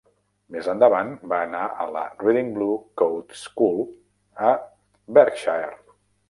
Més endavant, va anar a la Reading Blue Coat School a Berkshire.